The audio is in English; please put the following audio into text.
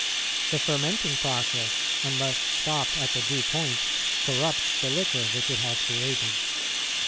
The fermenting process, unless stopped at the due point, corrupts the liquor which it has created.